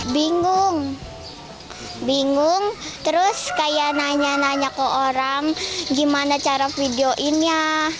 bingung bingung terus kayak nanya nanya ke orang gimana cara videoinnya